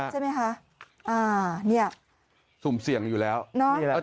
ใช่ไหมคะอ่าเนี่ยสุ่มเสี่ยงอยู่แล้วเนอะ